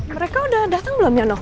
mereka udah dateng belum ya noh